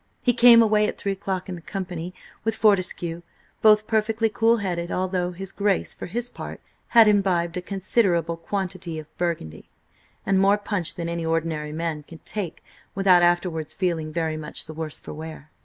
He came away at three o'clock in company with Fortescue, both perfectly cool headed, although his Grace, for his part, had imbibed a considerable quantity of burgundy, and more punch than any ordinary man could take without afterwards feeling very much the worse for wear.